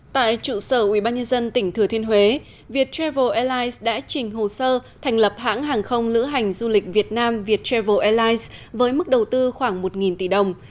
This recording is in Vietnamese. tại trụ sở ubnd tỉnh thừa thiên huế viettravel airlines đã trình hồ sơ thành lập hãng hàng không lữ hành du lịch việt nam viettravel airlines với mức đầu tư khoảng một tỷ đồng